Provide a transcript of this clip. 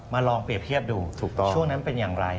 มาลองเปรียบเทียบดูช่วงนั้นเป็นอย่างไร